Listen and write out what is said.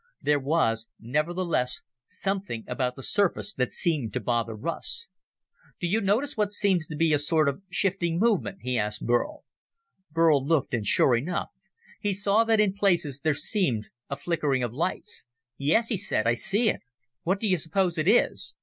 There was, nonetheless, something about the surface that seemed to bother Russ. "Do you notice what seems to be a sort of shifting movement?" he asked Burl. Burl looked, and sure enough, he saw that in places there seemed a flickering of lights. "Yes," he said, "I see it. What do you suppose it is?"